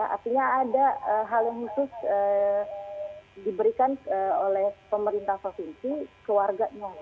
artinya ada hal yang khusus diberikan oleh pemerintah provinsi ke warganya